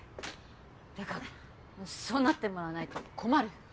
てかそうなってもらわないと困る。